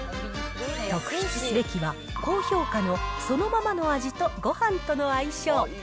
特筆すべきは、高評価のそのままの味とごはんとの相性。